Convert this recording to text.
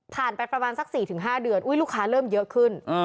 ไปประมาณสัก๔๕เดือนลูกค้าเริ่มเยอะขึ้น